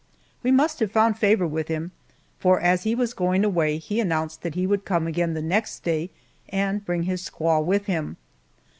We must have found favor with him, for as he was going away he announced that he would come again the next day and bring his squaw with him.